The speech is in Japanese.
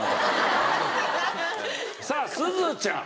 さあすずちゃん。